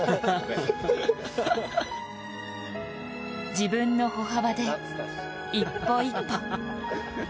自分の歩幅で一歩一歩。